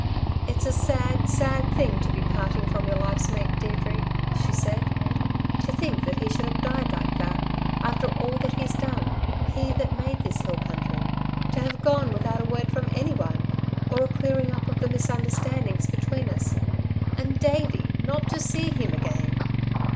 "It's a sad, sad thing to be parting from your life's mate, Deirdre," she said. "To think that he should have died like that ... after all that he's done he that made this hill country. To have gone without a word from anyone, or a clearing up of the misunderstandings between us. And Davey not to see him again!"